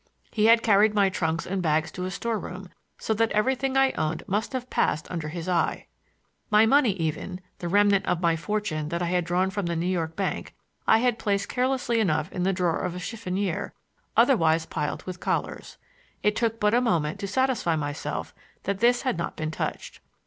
He had carried my trunks and bags to a store room, so that everything I owned must have passed under his eye. My money even, the remnant of my fortune that I had drawn from the New York bank, I had placed carelessly enough in the drawer of a chiffonnier otherwise piled with collars. It took but a moment to satisfy myself that this had not been touched.